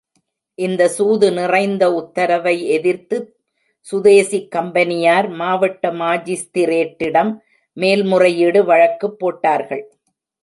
இந்த சூது நிறைந்த உத்தரவை எதிர்த்து சுதேசிக் கம்பெனியார் மாவட்ட மாஜிஸ்திரேட்டிடம் மேல் முறையீடு வழக்குப் போட்டார்கள்.